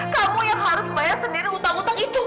kamu yang harus bayar sendiri hutang hutang itu